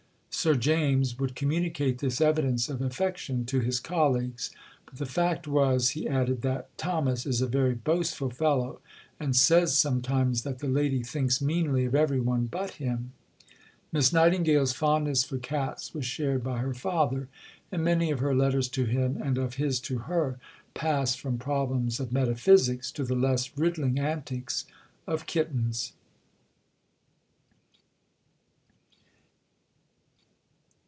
Sir James would communicate this evidence of affection to his colleagues; but the fact was, he added, that "Thomas is a very boastful fellow, and says sometimes that the lady thinks meanly of every one but him." Miss Nightingale's fondness for cats was shared by her father, and many of her letters to him, and of his to her, pass from problems of metaphysics to the less riddling antics of kittens.